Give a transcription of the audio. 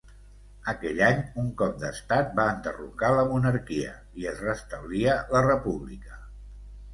Aquell any, un cop d'estat va enderrocar la monarquia i es restablia la República.